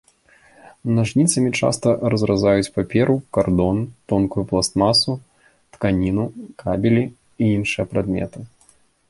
Нажніцамі часта разразаюць паперу, кардон, тонкую пластмасу, тканіну, кабелі і іншыя прадметы.